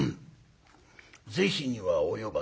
是非には及ばず。